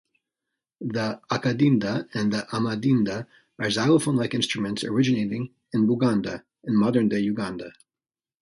The akadinda and the amadinda are xylophone-like instruments originating in Buganda, in modern-day Uganda.